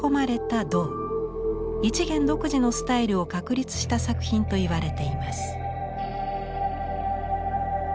一元独自のスタイルを確立した作品といわれています。